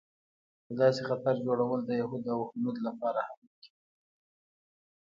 د داسې خطر جوړول د یهود او هنود لپاره هم ممکن نه دی.